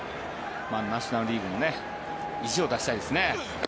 ナショナル・リーグも維持を出したいですね。